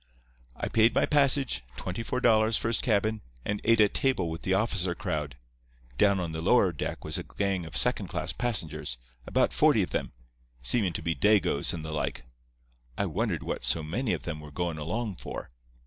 "I paid my passage—twenty four dollars, first cabin—and ate at table with the officer crowd. Down on the lower deck was a gang of second class passengers, about forty of them, seemin' to be Dagoes and the like. I wondered what so many of them were goin' along for.